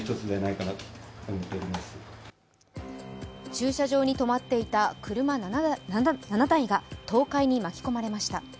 駐車場に止まっていた、車７台が倒壊に巻き込まれました。